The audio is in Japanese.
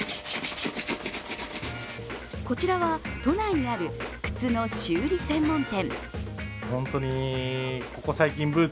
こちらは都内にある靴の修理専門店。